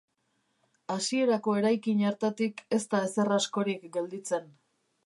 Hasierako eraikin hartatik ez da ezer askorik gelditzen.